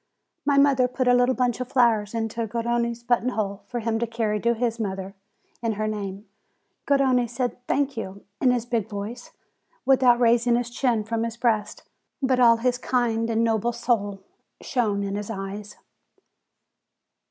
My mother put a little bunch of flowers into Gar rone's button hole, for him to carry to his mother in her name. Garrone said, "Thank you," in his big voice, without raising his chin from his breast. But all his kind and noble soul shone in his eyes.